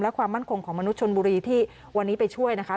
และความมั่นคงของมนุษยชนบุรีที่วันนี้ไปช่วยนะคะ